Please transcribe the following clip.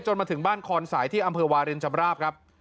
จนมาถึงบ้านคอนสายที่อำเภอวาเรียนชำราบ